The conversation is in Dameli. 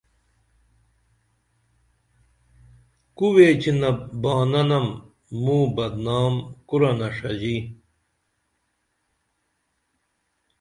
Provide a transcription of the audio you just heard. کو ویچینپ بھانہ نم موں بدنام کورنہ ݜژی